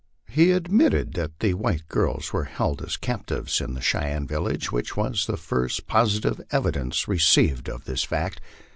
He admitted that the white girls were held as captives in the Cheyenne village, which was the first posi tive evidence received of this fact.